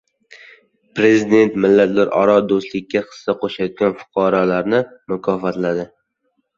Prezident millatlararo do‘stlikka hissa qo‘shayotgan fuqarolarni mukofotladi